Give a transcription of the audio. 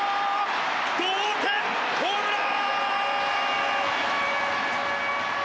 同点ホームラン！